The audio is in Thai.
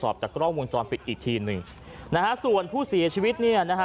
จากกล้องวงจรปิดอีกทีหนึ่งนะฮะส่วนผู้เสียชีวิตเนี่ยนะฮะ